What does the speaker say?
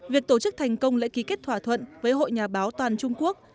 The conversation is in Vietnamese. việc tổ chức thành công lễ ký kết thỏa thuận với hội nhà báo toàn trung quốc